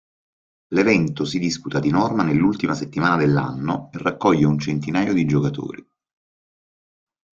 L'evento si disputa di norma nell'ultima settimana dell'anno e raccoglie un centinaio di giocatori.